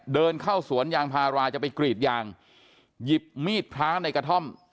เดินเข้าสวนยางพาราจะไปกรีดยางหยิบมีดพระในกระท่อม